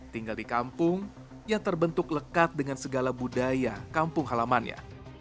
tinggal di kampung yang terbentuk lekat dengan segala budaya kampung halamannya